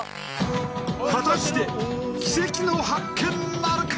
果たして奇跡の発見なるか？